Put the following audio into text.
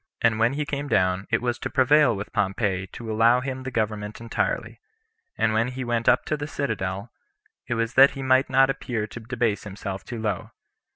And when he came down, it was to prevail with Pompey to allow him the government entirely; and when he went up to the citadel, it was that he might not appear to debase himself too low.